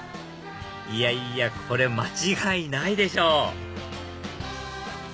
いやいやこれ間違いないでしょ！